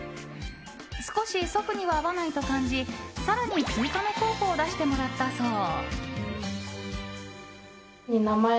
少し祖父には合わないと感じ更に追加の候補を出してもらったそう。